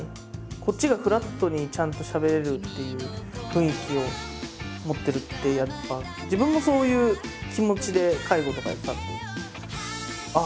こっちがフラットにちゃんとしゃべれるっていう雰囲気を持ってるってやっぱ自分もそういう気持ちで介護とかやってたんでああ